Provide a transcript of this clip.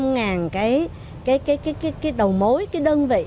một mươi năm ngàn cái đầu mối cái đơn vị